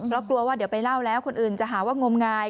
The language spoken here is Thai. เพราะกลัวว่าเดี๋ยวไปเล่าแล้วคนอื่นจะหาว่างมงาย